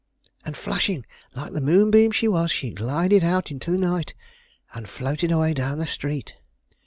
And, flashing like the moonbeam she was, she glided out into the night, and floated away down the street.